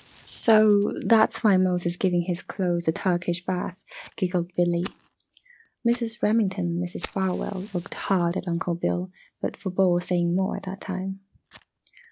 "So, that's why Mose is giving his clothes a Turkish bath," giggled Billy. Mrs. Remington and Mrs. Farwell looked hard at Uncle Bill but forbore saying more at that time.